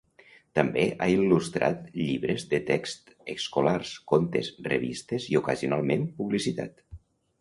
També ha il·lustrat llibres de text escolars, contes, revistes i ocasionalment, publicitat.